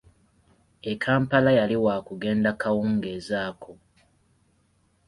E Kampala yali waakugenda kawungeezi ako.